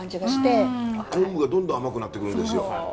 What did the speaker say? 昆布がどんどん甘くなってくるんですよ。